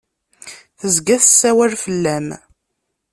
Tezga tessawal fell-am.